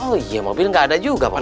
oh iya mobil gak ada juga pak ustadz